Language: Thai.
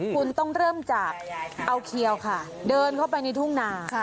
คุณต้องเริ่มจากเอาเขียวค่ะเดินเข้าไปในทุ่งนา